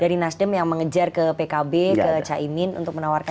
dari nasdem yang mengejar ke pkb ke caimin untuk menawarkan